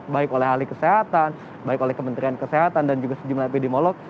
baik oleh ahli kesehatan baik oleh kementerian kesehatan dan juga sejumlah epidemiolog